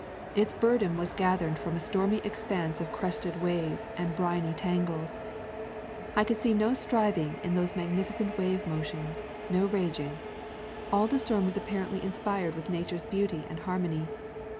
Its burden was gathered from a stormy expanse of crested waves and briny tangles. I could see no striving in those magnificent wave motions, no raging; all the storm was apparently inspired with na ture's beauty and harmony.